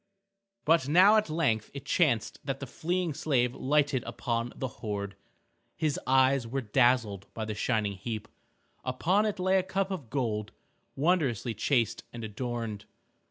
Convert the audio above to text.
But now at length it chanced that the fleeing slave lighted upon the hoard. His eyes were dazzled by the shining heap. Upon it lay a cup of gold, wondrously chased and adorned.